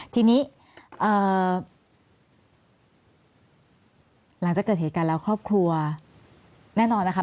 ทีนี้หลังจากเกิดเหตุการณ์แล้วครอบครัวแน่นอนนะคะ